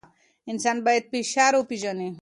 انسان باید فشار وپېژني.